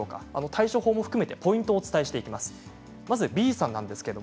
対処法も含めてポイントをお伝えしていきます。